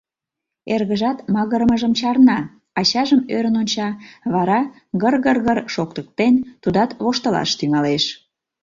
Эргыжат магырымыжым чарна, ачажым ӧрын онча, вара, гыр-гыр-гыр шоктыктен, тудат воштылаш тӱҥалеш.